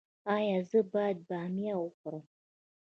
ایا زه باید بامیه وخورم؟